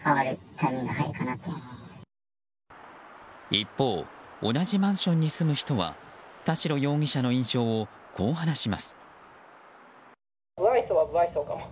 一方同じマンションに住む人は田代容疑者の印象をこう話します。